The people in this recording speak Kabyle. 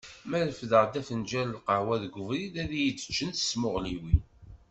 Ma refdeɣ afenǧal n lqahwa deg ubrid ad iyi-d-ččen s tmuɣliwin.